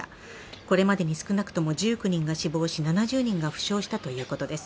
これまでに少なくとも１９人が死亡し、７０人が負傷したということです。